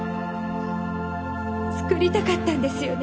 作りたかったんですよね